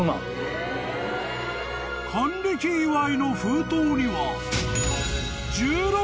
［還暦祝いの封筒には］